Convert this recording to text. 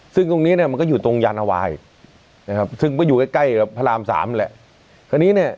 ซึ่งตรงนี้มันก็อยู่ตรงยาวนาวาอีกซึ่งก็อยู่ใกล้กับพระราม๓แหละ